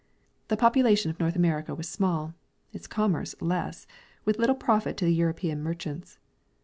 The population of^North America was small, its commerce less, with little profit to the European merchants.